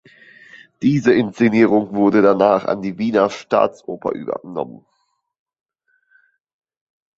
Diese Inszenierung wurde danach an die Wiener Staatsoper übernommen.